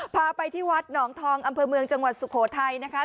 พาไปที่วัดหนองทองอำเภอเมืองจังหวัดสุโขทัยนะคะ